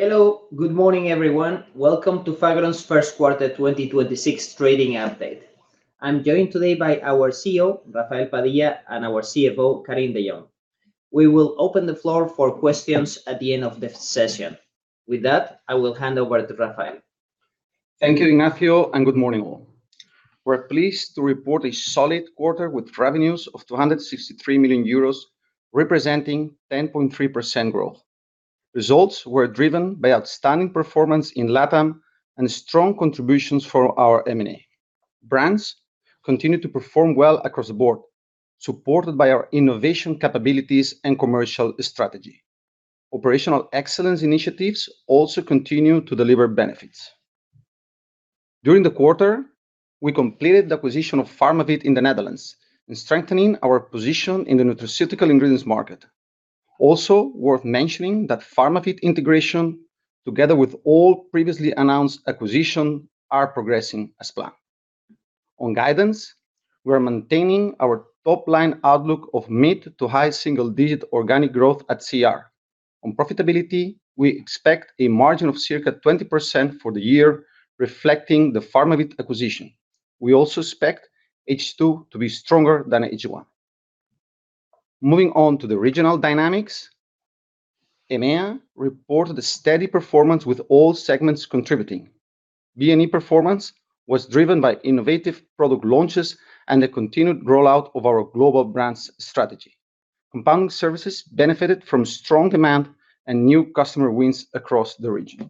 Hello. Good morning, everyone. Welcome to Fagron's first quarter 2026 trading update. I'm joined today by our CEO, Rafael Padilla, and our CFO, Karin de Jong. We will open the floor for questions at the end of the session. With that, I will hand over to Rafael. Thank you, Ignacio, and good morning all. We're pleased to report a solid quarter with revenues of 263 million euros, representing 10.3% growth. Results were driven by outstanding performance in LatAm and strong contributions from our M&A. Brands continue to perform well across the board, supported by our innovation capabilities and commercial strategy. Operational excellence initiatives also continue to deliver benefits. During the quarter, we completed the acquisition of Pharmavit in the Netherlands, strengthening our position in the nutraceutical ingredients market. Also worth mentioning that Pharmavit integration, together with all previously announced acquisitions, are progressing as planned. On guidance, we're maintaining our top-line outlook of mid to high single-digit organic growth at CR. On profitability, we expect a margin of circa 20% for the year, reflecting the Pharmavit acquisition. We also expect H2 to be stronger than H1. Moving on to the regional dynamics. EMEA reported a steady performance with all segments contributing. B&E performance was driven by innovative product launches and the continued rollout of our global brands strategy. Compounding services benefited from strong demand and new customer wins across the region.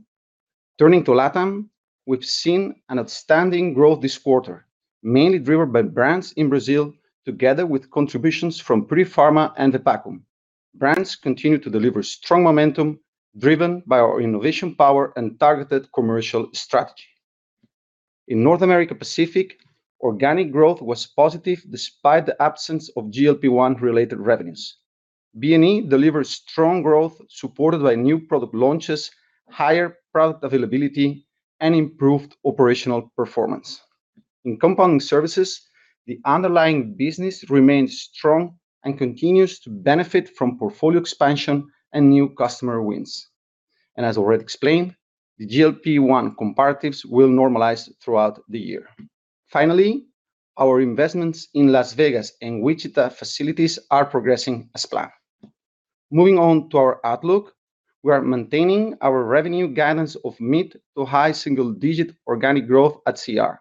Turning to LatAm, we've seen an outstanding growth this quarter, mainly driven by brands in Brazil, together with contributions from Purifarma and Vepakum. Brands continue to deliver strong momentum, driven by our innovation power and targeted commercial strategy. In North America-Pacific, organic growth was positive despite the absence of GLP-1 related revenues. B&E delivered strong growth supported by new product launches, higher product availability, and improved operational performance. In compounding services, the underlying business remains strong and continues to benefit from portfolio expansion and new customer wins. As already explained, the GLP-1 comparatives will normalize throughout the year. Finally, our investments in Las Vegas and Wichita facilities are progressing as planned. Moving on to our outlook, we are maintaining our revenue guidance of mid to high single-digit organic growth at CR.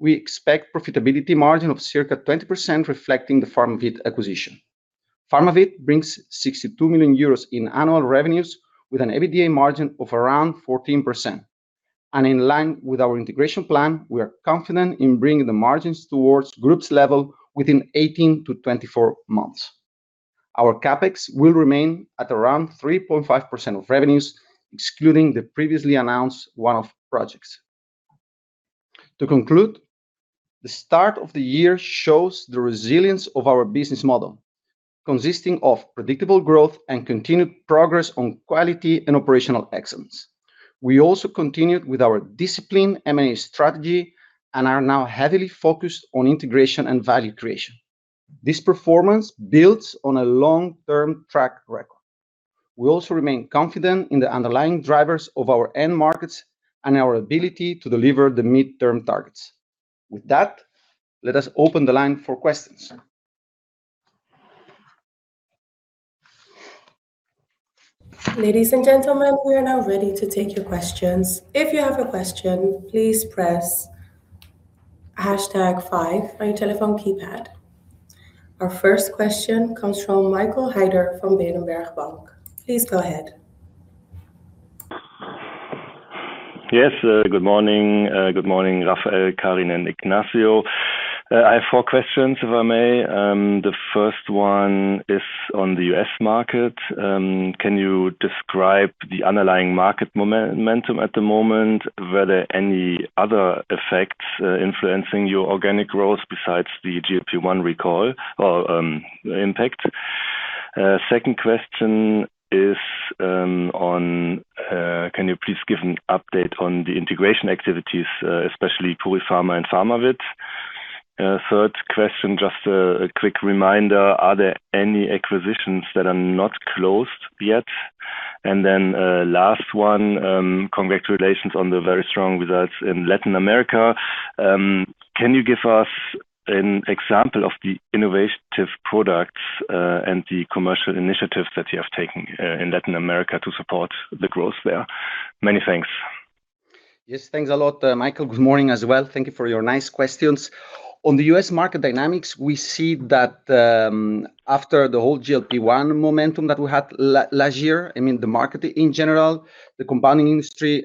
We expect profitability margin of circa 20%, reflecting the Pharmavit acquisition. Pharmavit brings 62 million euros in annual revenues with an EBITDA margin of around 14%. In line with our integration plan, we are confident in bringing the margins towards groups level within 18-24 months. Our CapEx will remain at around 3.5% of revenues, excluding the previously announced one-off projects. To conclude, the start of the year shows the resilience of our business model, consisting of predictable growth and continued progress on quality and operational excellence. We also continued with our disciplined M&A strategy and are now heavily focused on integration and value creation. This performance builds on a long-term track record. We also remain confident in the underlying drivers of our end markets and our ability to deliver the midterm targets. With that, let us open the line for questions. Ladies and gentlemen, we are now ready to take your questions. If you have a question, please press hashtag five on your telephone keypad. Our first question comes from Michael Heider from Berenberg Bank. Please go ahead. Yes. Good morning, Rafael, Karin, and Ignacio. I have four questions, if I may. The first one is on the U.S. market. Can you describe the underlying market momentum at the moment? Were there any other effects influencing your organic growth besides the GLP-1 recall or impact? Second question is, can you please give an update on the integration activities, especially Purifarma and Pharmavit? Third question, just a quick reminder, are there any acquisitions that are not closed yet? Last one, congratulations on the very strong results in Latin America. Can you give us an example of the innovative products and the commercial initiatives that you have taken in Latin America to support the growth there? Many thanks. Yes. Thanks a lot, Michael. Good morning as well, thank you for your nice questions. On the U.S. market dynamics, we see that after the whole GLP-1 momentum that we had last year, I mean, the market in general, the compounding industry,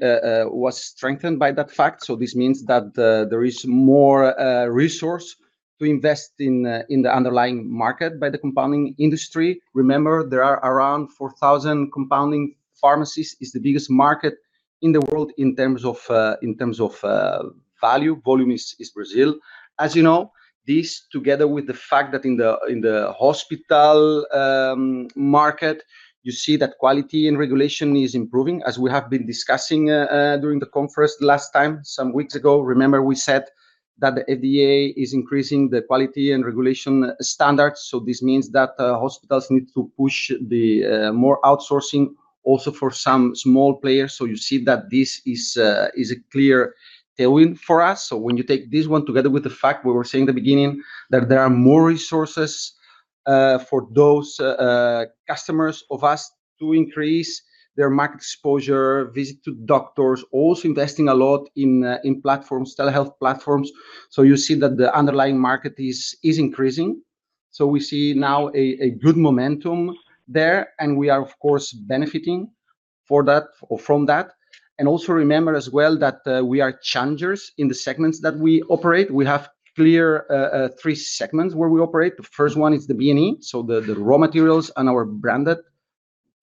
was strengthened by that fact. This means that there is more resource to invest in the underlying market by the compounding industry. Remember, there are around 4,000 compounding pharmacies, is the biggest market in the world in terms of value. Volume is Brazil. As you know, this together with the fact that in the hospital market, you see that quality and regulation is improving, as we have been discussing during the conference last time some weeks ago. Remember we said that the FDA is increasing the quality and regulation standards. This means that hospitals need to push more outsourcing also for some small players. You see that this is a clear tailwind for us. When you take this one together with the fact we were saying at the beginning that there are more resources for those customers of us to increase their market exposure, visit to doctors, also investing a lot in platforms, telehealth platforms. You see that the underlying market is increasing. We see now a good momentum there, and we are, of course, benefiting from that. Also remember as well that we are challengers in the segments that we operate. We have clear three segments where we operate. The first one is the B&E, so the raw materials and our branded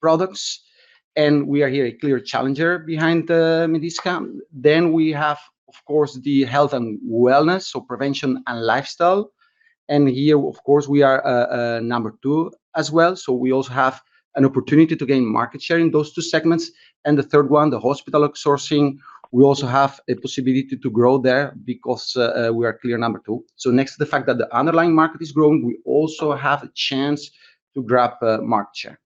products. We are here a clear challenger behind the Medisca. We have, of course, the health and wellness, so prevention and lifestyle. Here, of course, we are number two as well. We also have an opportunity to gain market share in those two segments. The third one, the hospital outsourcing, we also have a possibility to grow there because we are clear number two. Next to the fact that the underlying market is growing, we also have a chance to grab market share.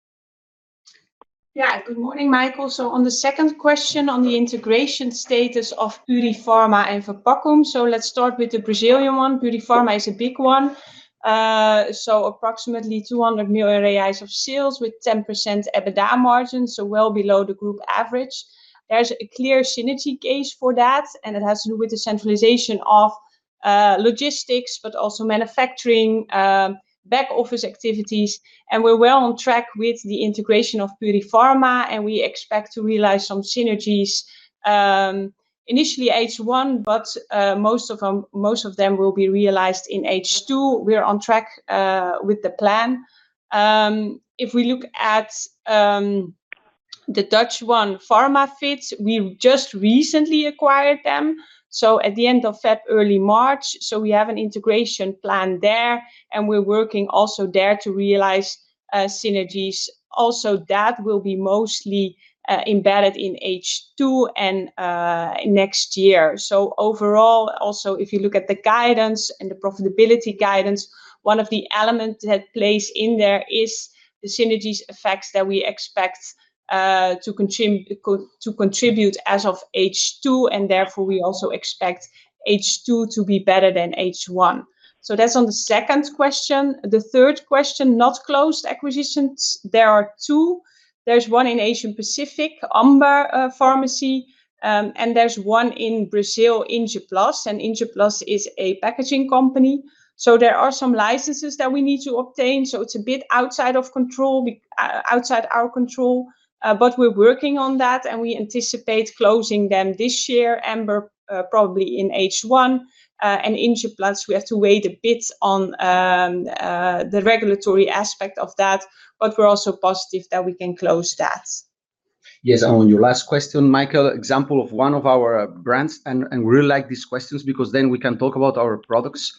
Yeah. Good morning, Michael. On the second question on the integration status of Purifarma and Vepakum, let's start with the Brazilian one. Purifarma is a big one. Approximately 200 million reais of sales with 10% EBITDA margin, well below the group average. There's a clear synergy case for that, and it has to do with the centralization of logistics, but also manufacturing, back office activities. We're well on track with the integration of Purifarma, and we expect to realize some synergies, initially H1, but most of them will be realized in H2. We are on track with the plan. If we look at the Dutch one, Pharmavit, we just recently acquired them, so at the end of February, early March. We have an integration plan there, and we're working also there to realize synergies. That will be mostly embedded in H2 and next year. Overall, also, if you look at the guidance and the profitability guidance, one of the elements that plays in there is the synergies effects that we expect to contribute as of H2, and therefore, we also expect H2 to be better than H1. That's on the second question. The third question, not closed acquisitions. There are two. There's one in Asia-Pacific, Amber Compounding Pharmacy, and there's one in Brazil, Injeplast, and Injeplast is a packaging company. There are some licenses that we need to obtain. It's a bit outside our control, but we're working on that and we anticipate closing them this year, Amber Compounding Pharmacy, probably in H1, and Injeplast, we have to wait a bit on the regulatory aspect of that, but we're also positive that we can close that. Yes, on your last question, Michael, example of one of our brands, and we really like these questions because then we can talk about our products.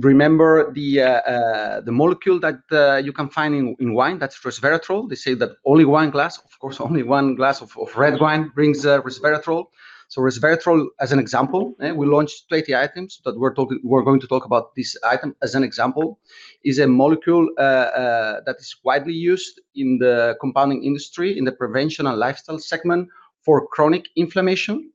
Remember the molecule that you can find in wine, that's resveratrol. They say that only one glass, of course, only one glass of red wine brings resveratrol. Resveratrol as an example. We launched 20 items, but we're going to talk about this item as an example, is a molecule that is widely used in the compounding industry, in the prevention and lifestyle segment for chronic inflammation.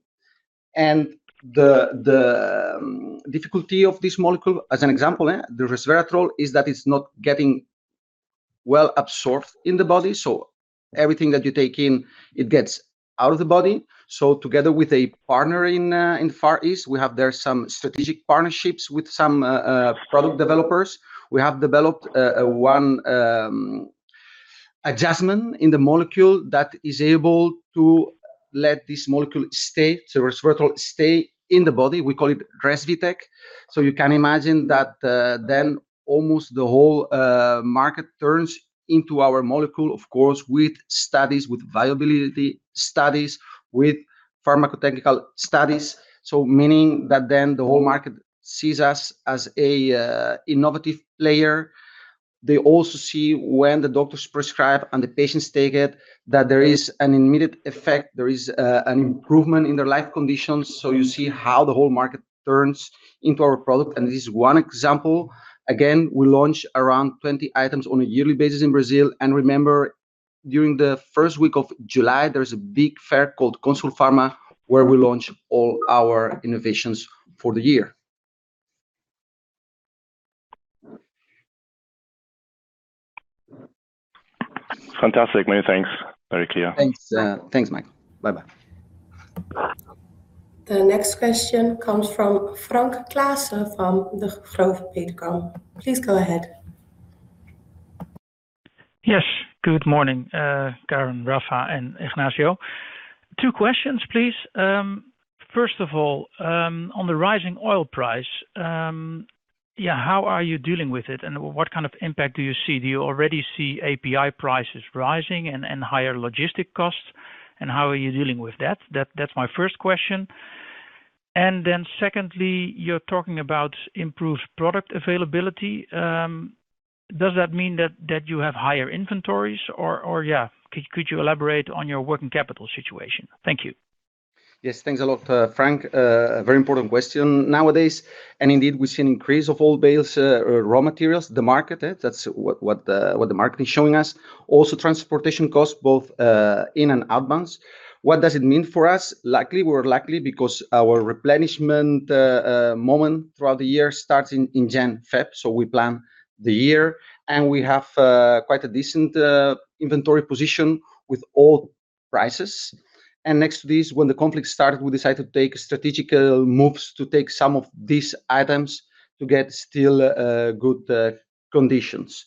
The difficulty of this molecule, as an example, the resveratrol, is that it's not getting well absorbed in the body. Everything that you take in, it gets out of the body. Together with a partner in Far East, we have there some strategic partnerships with some product developers. We have developed one adjustment in the molecule that is able to let this molecule stay, the resveratrol stay in the body. We call it ResviTech. You can imagine that then almost the whole market turns into our molecule, of course, with studies, with viability studies, with pharmaco-technical studies. Meaning that then the whole market sees us as an innovative player. They also see when the doctors prescribe and the patients take it, that there is an immediate effect, there is an improvement in their life conditions. You see how the whole market turns into our product. This is one example. Again, we launch around 20 items on a yearly basis in Brazil. Remember, during the first week of July, there is a big fair called Congresso Consulfarma, where we launch all our innovations for the year. Fantastic, many thanks. Very clear. Thanks, Michael. Bye-bye. The next question comes from Frank Claassen from Degroof Petercam. Please go ahead. Yes. Good morning, Karin, Rafa, and Ignacio. Two questions, please. First of all, on the rising oil price, how are you dealing with it and what kind of impact do you see? Do you already see API prices rising and higher logistic costs? And how are you dealing with that? That's my first question. Secondly, you're talking about improved product availability. Does that mean that you have higher inventories, or yeah. Could you elaborate on your working capital situation? Thank you. Yes. Thanks a lot, Frank. A very important question nowadays, and indeed we see an increase of all bulk raw materials, the market. That's what the market is showing us. Also, transportation costs both inbound and outbound. What does it mean for us? Luckily, we're lucky because our replenishment moment throughout the year starts in January, February. We plan the year, and we have quite a decent inventory position with all prices. Next to this, when the conflict started, we decided to take strategic moves to take some of these items to get still good conditions.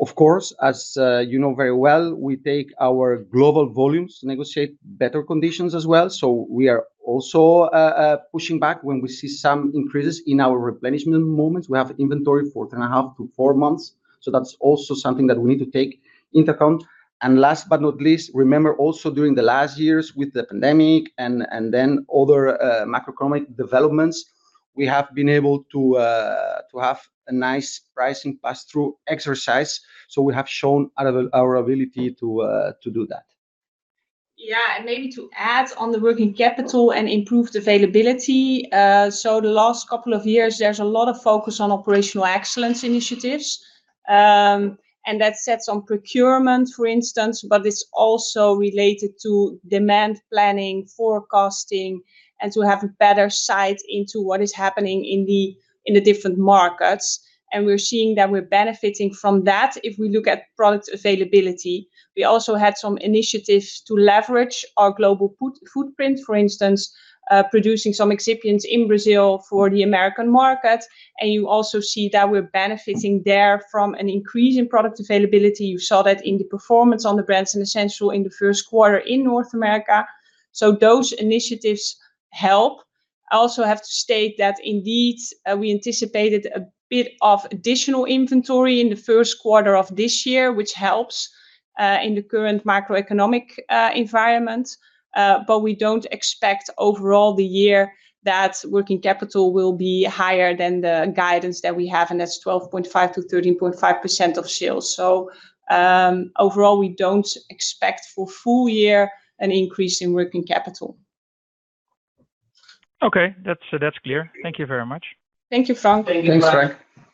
Of course, as you know very well, we take our global volumes, negotiate better conditions as well. We are also pushing back when we see some increases in our replenishment moments. We have inventory for 3.5-4 months, so that's also something that we need to take into account. Last but not least, remember also during the last years with the pandemic and then other macroeconomic developments, we have been able to have a nice pricing pass-through exercise. We have shown our ability to do that. Maybe to add on the working capital and improved availability. The last couple of years, there's a lot of focus on operational excellence initiatives, and that centers on procurement, for instance, but it's also related to demand planning, forecasting, and to have a better insight into what is happening in the different markets. We're seeing that we're benefiting from that if we look at product availability. We also had some initiatives to leverage our global footprint, for instance producing some excipients in Brazil for the American market. You also see that we're benefiting there from an increase in product availability. You saw that in the performance on the brands in Essential in the first quarter in North America. Those initiatives help. I also have to state that indeed, we anticipated a bit of additional inventory in the first quarter of this year, which helps in the current macroeconomic environment. We don't expect overall the year that working capital will be higher than the guidance that we have, and that's 12.5%-13.5% of sales. Overall, we don't expect for full-year an increase in working capital. Okay, that's clear. Thank you very much. Thank you, Frank. Thank you, Frank. Thanks, Frank.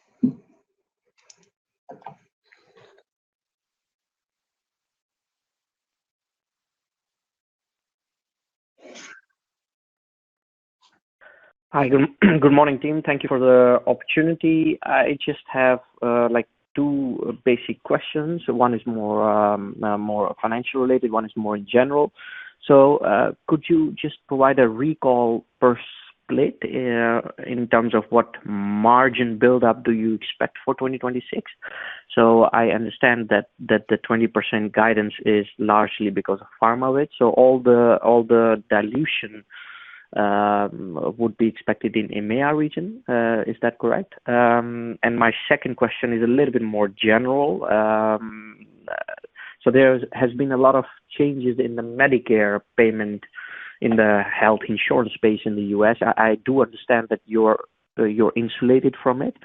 Hi. Good morning, team. Thank you for the opportunity. I just have two basic questions. One is more financial related, one is more general. Could you just provide a recall per split, in terms of what margin buildup do you expect for 2026? I understand that the 20% guidance is largely because of Pharmavit. All the dilution would be expected in EMEA region. Is that correct? My second question is a little bit more general. There has been a lot of changes in the Medicare payment in the health insurance space in the U.S. I do understand that you're insulated from it,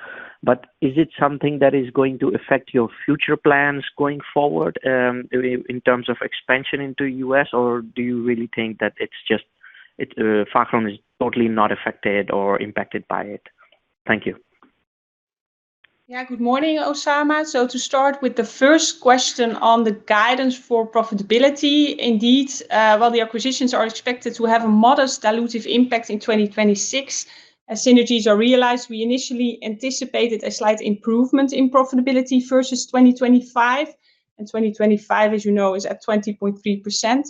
but is it something that is going to affect your future plans going forward, in terms of expansion into U.S., or do you really think that it's far from it, totally not affected or impacted by it? Thank you. Yeah. Good morning, Usama. To start with the first question on the guidance for profitability. Indeed, while the acquisitions are expected to have a modest dilutive impact in 2026 as synergies are realized, we initially anticipated a slight improvement in profitability versus 2025. 2025, as you know, is at 20.3%.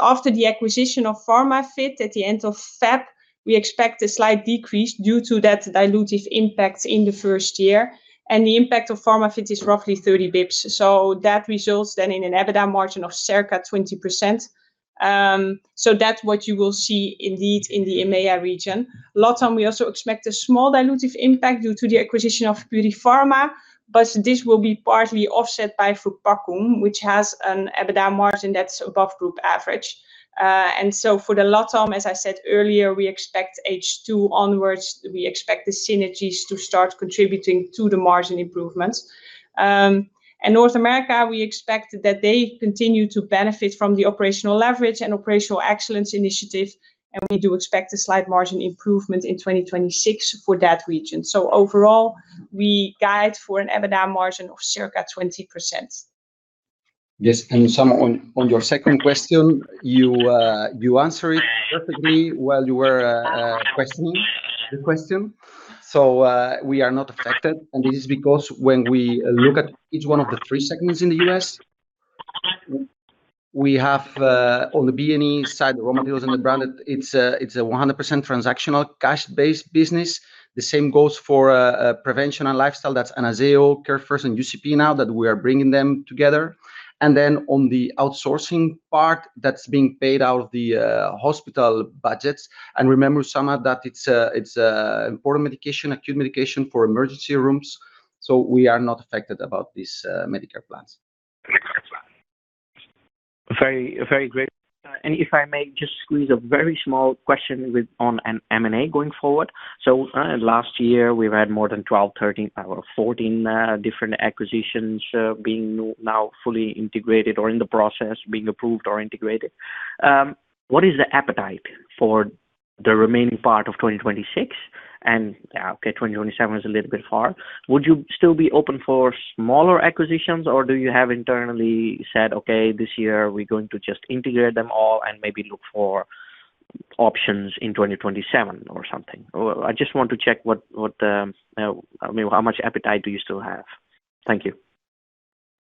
After the acquisition of Pharmavit at the end of February, we expect a slight decrease due to that dilutive impact in the first year. The impact of Pharmavit is roughly 30 basis points. That results then in an EBITDA margin of circa 20%. That's what you will see indeed in the EMEA region. LatAm, we also expect a small dilutive impact due to the acquisition of Purifarma, but this will be partly offset by Vepakum, which has an EBITDA margin that's above group average. For the LatAm, as I said earlier, we expect H2 onwards, we expect the synergies to start contributing to the margin improvements. In North America, we expect that they continue to benefit from the operational leverage and operational excellence initiative, and we do expect a slight margin improvement in 2026 for that region. Overall, we guide for an EBITDA margin of circa 20%. Yes. Usama, on your second question, you answer it perfectly while you were questioning the question. We are not affected, and this is because when we look at each one of the three segments in the U.S., we have on the B&E side, the raw materials and the branded, it's a 100% transactional cash-based business. The same goes for prevention and lifestyle. That's AnazaoHealth, CareFirst and UCP now that we are bringing them together. On the outsourcing part, that's being paid out of the hospital budgets. Remember, Usama, that it's important medication, acute medication for emergency rooms. We are not affected about these Medicare plans. Very great. If I may just squeeze a very small question on an M&A going forward. Last year we've had more than 12, 13, or 14 different acquisitions being now fully integrated or in the process, being approved or integrated. What is the appetite for the remaining part of 2026 and, okay, 2027 is a little bit far. Would you still be open for smaller acquisitions, or do you have internally said, "Okay, this year we're going to just integrate them all and maybe look for options in 2027," or something? I just want to check how much appetite do you still have. Thank you.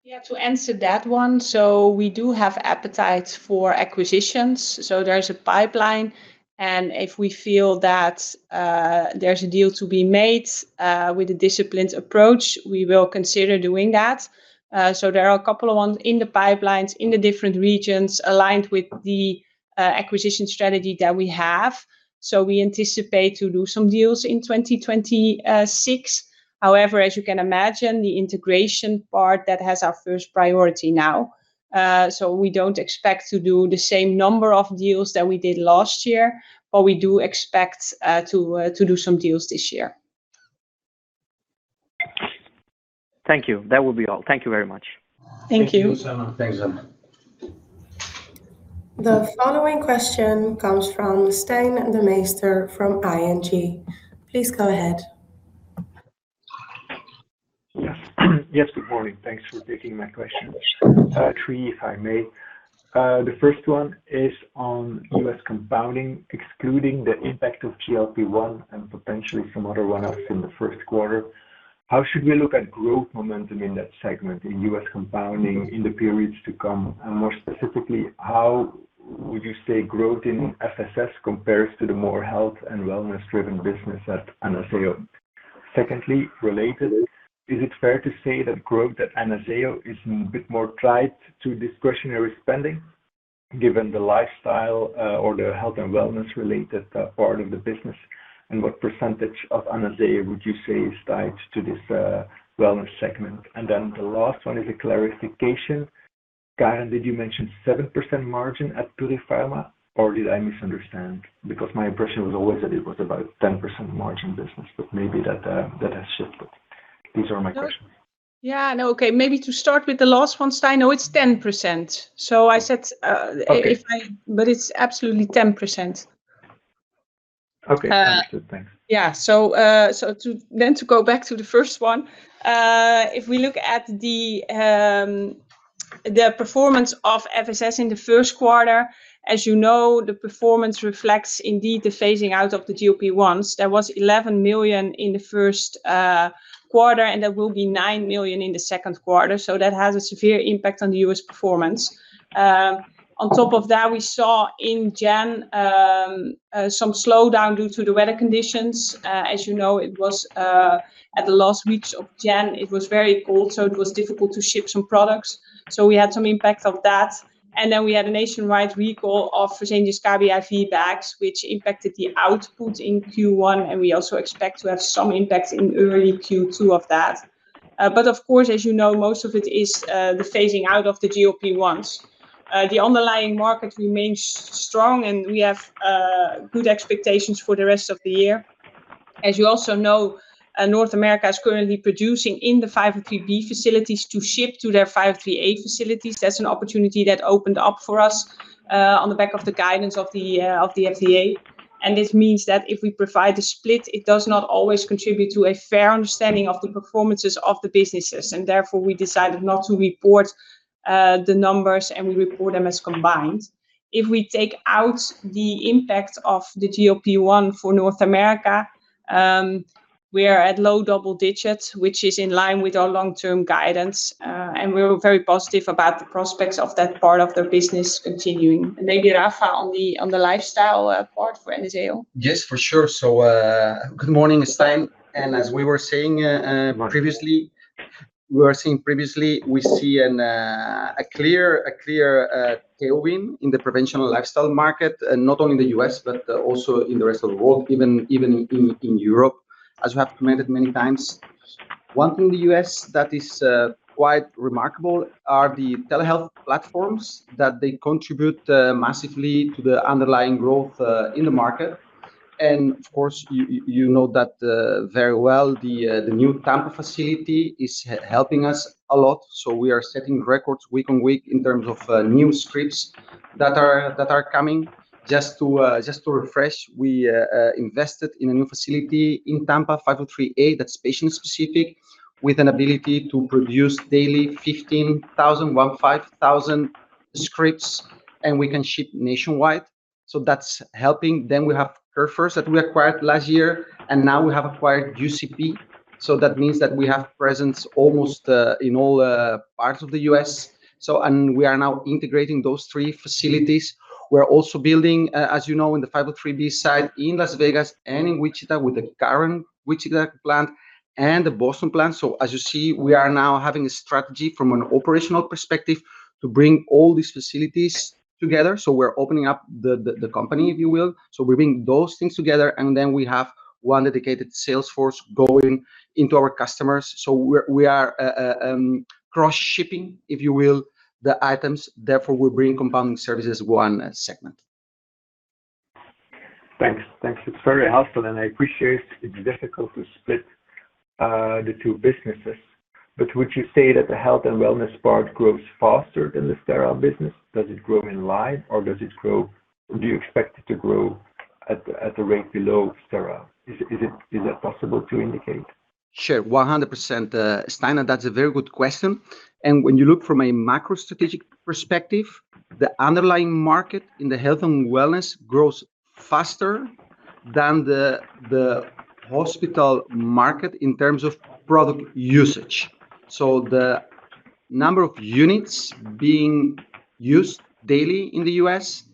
Yeah, to answer that one, so we do have appetite for acquisitions. There's a pipeline, and if we feel that there's a deal to be made with a disciplined approach, we will consider doing that. There are a couple of ones in the pipelines, in the different regions, aligned with the acquisition strategy that we have. We anticipate to do some deals in 2026. However, as you can imagine, the integration part that has our first priority now. We don't expect to do the same number of deals that we did last year, but we do expect to do some deals this year. Thank you, that would be all. Thank you very much. Thank you. Thank you, Usama. Thanks, Usama The following question comes from Stijn Demeester from ING. Please go ahead. Yes, good morning. Thanks for taking my question. Three questions, if I may. The first one is on U.S. compounding, excluding the impact of GLP-1 and potentially some other one-offs in the first quarter, how should we look at growth momentum in that segment, in U.S. compounding in the periods to come? And more specifically, how would you say growth in FSS compares to the more health and wellness driven business at AnazaoHealth? Secondly, related, is it fair to say that growth at AnazaoHealth is a bit more tied to discretionary spending given the lifestyle, or the health and wellness related part of the business? And what percentage of AnazaoHealth would you say is tied to this wellness segment? And then the last one is a clarification. Karin, did you mention 7% margin at Purifarma, or did I misunderstand? Because my impression was always that it was about 10% margin business, but maybe that has shifted. These are my questions. Maybe to start with the last one, Stijn. No, it's 10%. So I said, it's absolutely 10%. Okay, sounds good. Thanks. Yeah. To go back to the first one, if we look at the performance of FSS in the first quarter, as you know, the performance reflects indeed the phasing out of the GLP-1s. There was 11 million in the first quarter, and there will be 9 million in the second quarter. That has a severe impact on the U.S. performance. On top of that, we saw in January some slowdown due to the weather conditions. As you know, in the last weeks of January, it was very cold, so it was difficult to ship some products. We had some impact of that. We had a nationwide recall of Fresenius Kabi IV bags, which impacted the output in Q1. We also expect to have some impact in early Q2 of that. Of course, as you know, most of it is the phasing out of the GLP-1s. The underlying market remains strong, and we have good expectations for the rest of the year. As you also know, North America is currently producing in the 503B facilities to ship to their 503A facilities. That's an opportunity that opened up for us on the back of the guidance of the FDA. This means that if we provide a split, it does not always contribute to a fair understanding of the performances of the businesses, and therefore, we decided not to report the numbers, and we report them as combined. If we take out the impact of the GLP-1 for North America, we are at low double digits, which is in line with our long-term guidance. We're very positive about the prospects of that part of the business continuing. Maybe Rafa on the lifestyle part for AnazaoHealth. Yes, for sure. Good morning, Stijn. As we were saying previously, we see a clear tailwind in the preventive lifestyle market, not only in the U.S., but also in the rest of the world, even in Europe, as we have commented many times. One thing in the U.S. that is quite remarkable are the telehealth platforms, that they contribute massively to the underlying growth in the market. Of course, you know that very well. The new Tampa facility is helping us a lot. We are setting records week on week in terms of new scripts that are coming. Just to refresh, we invested in a new facility in Tampa, 503A, that's patient-specific, with an ability to produce daily 15,000 scripts, and we can ship nationwide. That's helping. We have CareFirst that we acquired last year, and now we have acquired UCP. That means that we have presence almost in all parts of the U.S. We are now integrating those three facilities. We're also building, as you know, in the 503B side in Las Vegas and in Wichita with the current Wichita plant and the Boston plant. As you see, we are now having a strategy from an operational perspective to bring all these facilities together. We're opening up the company, if you will. We're bringing those things together, and then we have one dedicated sales force going into our customers. We are cross-shipping, if you will, the items, therefore, we're bringing compounding services one segment. Thanks. It's very helpful and I appreciate it's difficult to split the two businesses, but would you say that the health and wellness part grows faster than the sterile business? Does it grow in line or do you expect it to grow at a rate below sterile? Is that possible to indicate? Sure, 100%. Stijn, that's a very good question. When you look from a macro strategic perspective, the underlying market in the health and wellness grows faster than the hospital market in terms of product usage. The number of units being used daily in the U.S.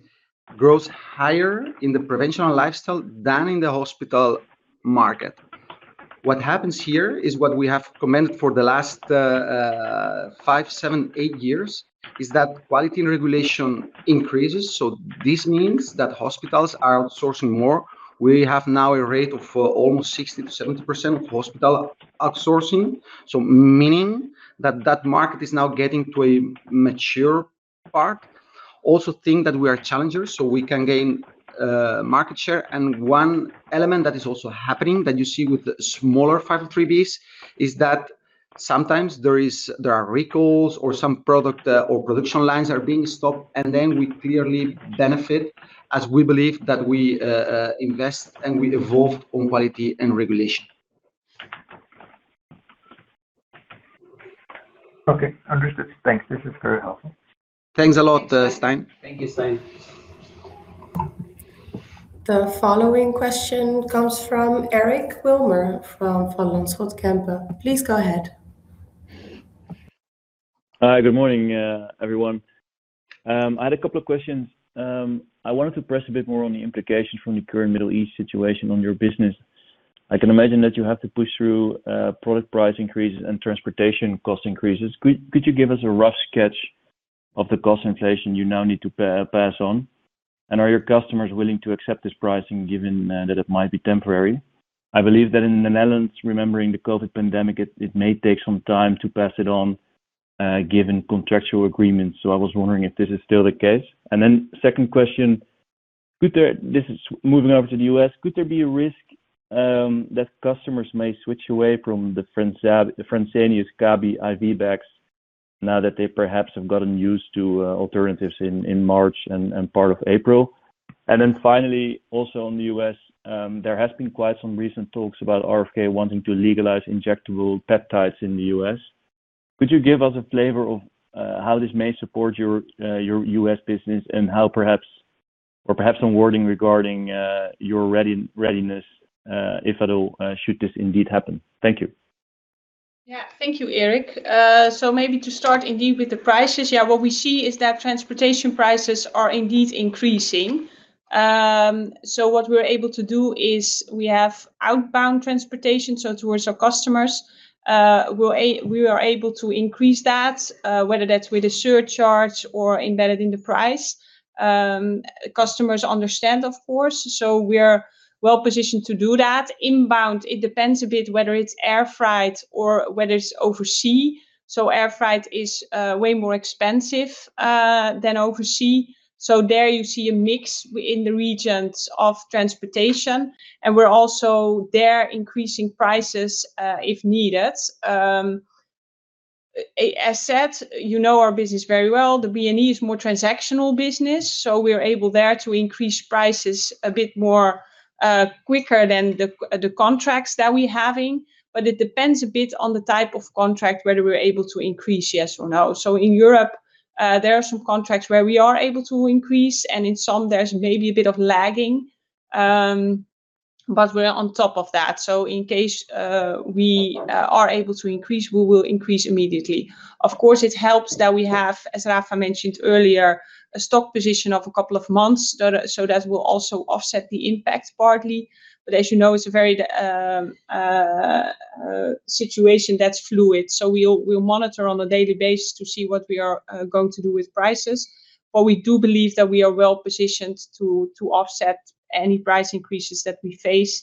grows higher in the prevention and lifestyle than in the hospital market. What happens here is what we have commented for the last five, seven, eight years is that quality and regulation increases. This means that hospitals are outsourcing more. We have now a rate of almost 60%-70% of hospital outsourcing, so meaning that market is now getting to a mature part. Also think that we are challengers so we can gain market share. One element that is also happening that you see with the smaller 503Bs is that sometimes there are recalls or some product or production lines are being stopped. Then we clearly benefit as we believe that we invest and we evolved on quality and regulation. Okay, understood. Thanks, this is very helpful. Thanks a lot, Stijn. Thank you, Stijn. The following question comes from Eric Wilmer from Van Lanschot Kempen. Please go ahead. Hi. Good morning, everyone. I had a couple of questions. I wanted to press a bit more on the implications from the current Middle East situation on your business. I can imagine that you have to push through product price increases and transportation cost increases. Could you give us a rough sketch of the cost inflation you now need to pass on? And are your customers willing to accept this pricing given that it might be temporary? I believe that in the Netherlands, remembering the COVID pandemic, it may take some time to pass it on given contractual agreements. I was wondering if this is still the case. Then second question, this is moving over to the U.S., could there be a risk that customers may switch away from the Fresenius Kabi IV bags now that they perhaps have gotten used to alternatives in March and part of April? Then finally, also in the U.S., there has been quite some recent talks about RFK wanting to legalize injectable peptides in the U.S.? Could you give us a flavor of how this may support your U.S. business and how perhaps, or perhaps some wording regarding your readiness, if at all, should this indeed happen? Thank you. Yeah. Thank you, Eric. Maybe to start indeed with the prices. What we see is that transportation prices are indeed increasing. What we're able to do is we have outbound transportation, so towards our customers. We are able to increase that, whether that's with a surcharge or embedded in the price. Customers understand, of course. We are well-positioned to do that. Inbound, it depends a bit whether it's air freight or whether it's overseas. Air freight is way more expensive than overseas. There you see a mix in the regions of transportation, and we're also there increasing prices if needed. As said, you know our business very well. The B&E is more transactional business, so we are able there to increase prices a bit more quickly than the contracts that we have. It depends a bit on the type of contract whether we're able to increase, yes or no. In Europe, there are some contracts where we are able to increase, and in some there's maybe a bit of lagging, but we're on top of that. In case we are able to increase, we will increase immediately. Of course, it helps that we have, as Rafa mentioned earlier, a stock position of a couple of months. That will also offset the impact partly. As you know, it's a very fluid situation. We'll monitor on a daily basis to see what we are going to do with prices. We do believe that we are well positioned to offset any price increases that we face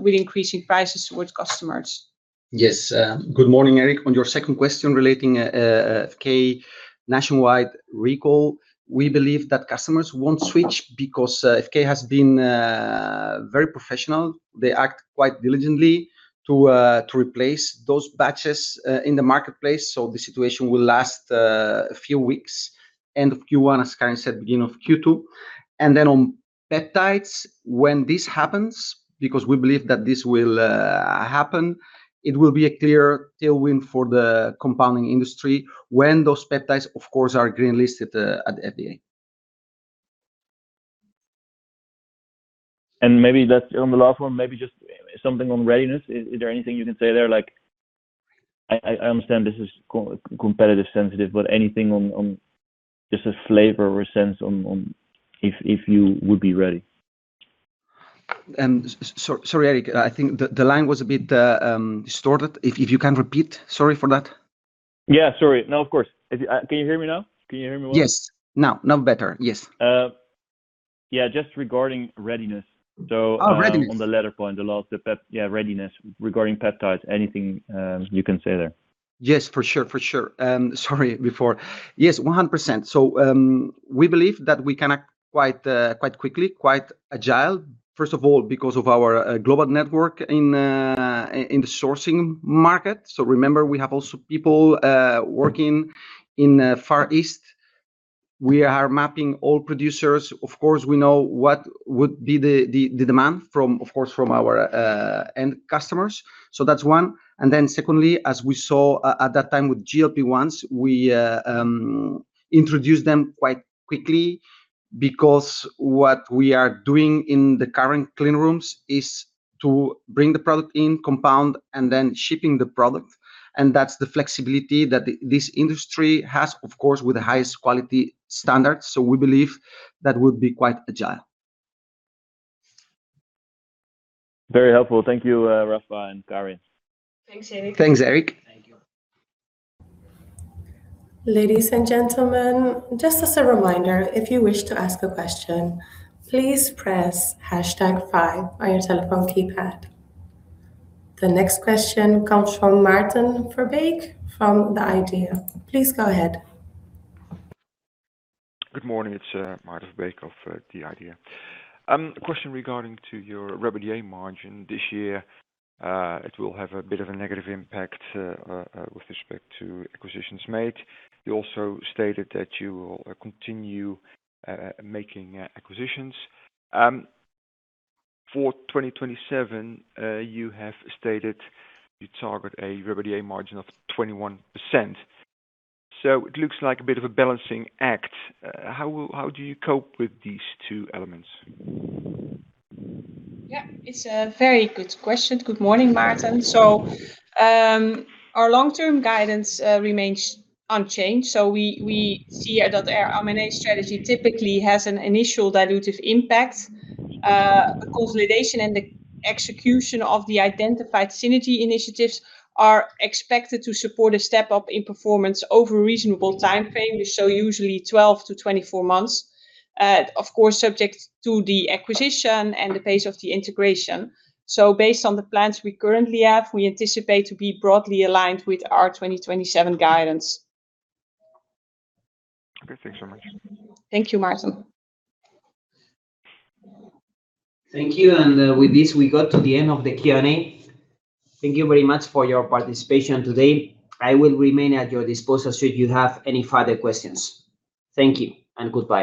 with increasing prices towards customers. Yes. Good morning, Eric. On your second question relating FK nationwide recall, we believe that customers won't switch because FK has been very professional. They act quite diligently to replace those batches in the marketplace, so the situation will last a few weeks, end of Q1, as Karin said, beginning of Q2. On peptides, when this happens, because we believe that this will happen, it will be a clear tailwind for the compounding industry when those peptides, of course, are green listed at the FDA. Maybe that's on the last one, maybe just something on readiness. Is there anything you can say there? I understand this is commercially sensitive, but anything on just a flavor or sense on if you would be ready. Sorry, Eric, I think the line was a bit distorted. If you can repeat? Sorry for that. Yeah, sorry. No, of course. Can you hear me now? Can you hear me well? Yes, now better. Yes. Yeah, just regarding readiness. Oh, readiness. On the latter point, readiness regarding peptides. Anything you can say there? Yes, for sure. Sorry before. Yes, 100%. We believe that we can act quite quickly, quite agile, first of all, because of our global network in the sourcing market. Remember, we have also people working in the Far East. We are mapping all producers. Of course, we know what would be the demand, of course, from our end customers. That's one. Secondly, as we saw at that time with GLP-1s, we introduced them quite quickly because what we are doing in the current clean rooms is to bring the product in, compound, and then shipping the product. That's the flexibility that this industry has, of course, with the highest quality standards. We believe that would be quite agile. Very helpful. Thank you, Rafa and Karin. Thanks, Eric. Thanks, Eric. Thank you. Ladies and gentlemen, just as a reminder, if you wish to ask a question, please press hashtag five on your telephone keypad. The next question comes from Maarten Verbeek from The IDEA!. Please go ahead. Good morning. It's Maarten Verbeek of The IDEA!. A question regarding to your REBITDA margin this year. It will have a bit of a negative impact with respect to acquisitions made. You also stated that you will continue making acquisitions. For 2027, you have stated you target a REBITDA margin of 21%, so it looks like a bit of a balancing act. How do you cope with these two elements? Yeah, it's a very good question. Good morning, Maarten. Our long-term guidance remains unchanged. We see that the M&A strategy typically has an initial dilutive impact. The consolidation and the execution of the identified synergy initiatives are expected to support a step-up in performance over a reasonable time frame, so usually 12-24 months, of course, subject to the acquisition and the pace of the integration. Based on the plans we currently have, we anticipate to be broadly aligned with our 2027 guidance. Okay, thanks so much. Thank you, Maarten. Thank you. With this, we got to the end of the Q&A. Thank you very much for your participation today. I will remain at your disposal should you have any further questions. Thank you and goodbye.